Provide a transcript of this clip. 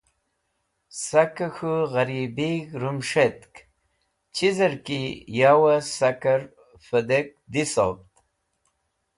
Sakẽ k̃hũ ghẽribig̃h remus̃htk chizẽr ki yawẽ sakẽr vẽdik dhisovd.